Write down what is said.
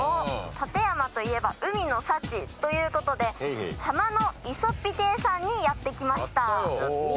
館山といえば海の幸ということで浜のいそっぴ亭さんにやって来ました。